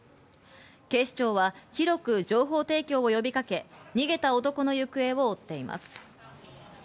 警視庁は広く情報提供を呼びかけ、逃げた男の行方を追っています。